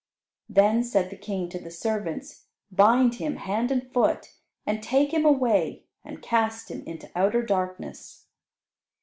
Then said the King to the servants, "Bind him hand and foot, and take him away and cast him into outer darkness."